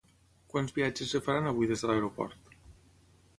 Quants viatges es faran avui des de l'aeroport?